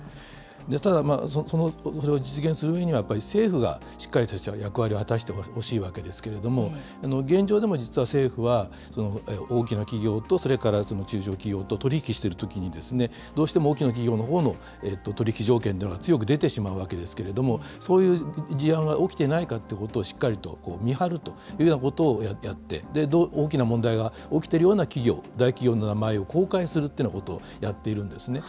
ただ、それを実現するには、政府がしっかりとした役割を果たしてほしいわけですけれども、現状でも実は政府は大きな企業とそれから中小企業と取り引きしているときにどうしても大きな企業のほうの取り引き条件が強く出てしまうわけですけれども、そういう事案が起きてないかということをしっかりと見張るというようなことをやって、大きな問題が起きているような企業、大企業の名前を公開するというようなことをやっているんですね。